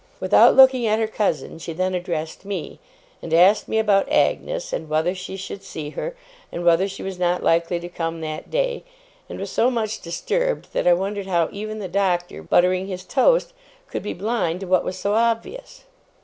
Without looking at her cousin, she then addressed me, and asked me about Agnes, and whether she should see her, and whether she was not likely to come that day; and was so much disturbed, that I wondered how even the Doctor, buttering his toast, could be blind to what was so obvious.